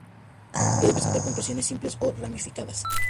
Puede presentar puntuaciones simples o ramificadas.